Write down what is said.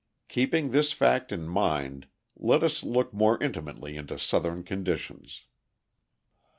Keeping this fact in mind, let us look more intimately into Southern conditions.